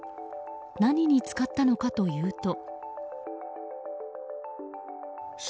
何に使ったのかというと。